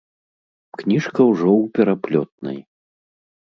Кніжка ўжо ў пераплётнай.